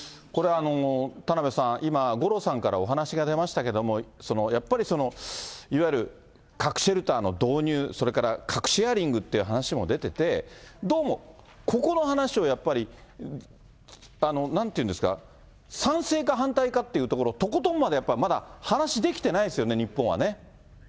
これ、田邉さん、今、五郎さんからお話が出ましたけれども、やっぱりいわゆる核シェルターの導入、それから核シェアリングっていう話も出てて、どうもここの話をやっぱり、なんていうんですか、賛成か反対かっていうところ、とことんまでまだ話しできてないんですよね、日本はね。